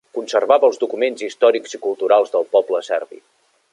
Conservava els documents històrics i culturals del poble serbi.